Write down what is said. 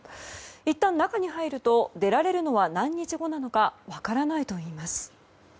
いったん中に入ると出られるのは何日後なのか分からないといいます。